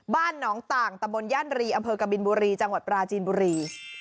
บ้านหนองต่างตะบนย่านรีอำเภอกบินบุรีจังหวัดปราจีนบุรี